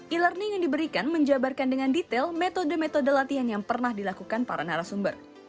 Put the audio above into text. e learning yang diberikan menjabarkan dengan detail metode metode latihan yang pernah dilakukan para narasumber